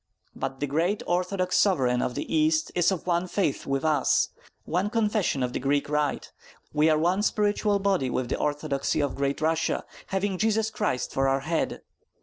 But the great Orthodox sovereign of the East is of one faith with us, one confession of the Greek rite; we are one spiritual body with the Orthodoxy of Great Russia, having Jesus Christ for our head.